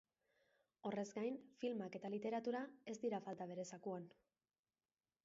Horrez gain, filmak eta literatura ez dira falta bere zakuan.